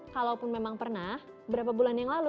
kalaupun memang pernah berapa bulan yang lalu